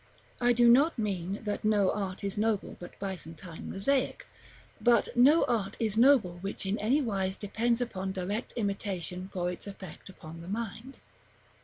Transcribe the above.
I do not mean that no art is noble but Byzantine mosaic; but no art is noble which in any wise depends upon direct imitation for its effect upon the mind.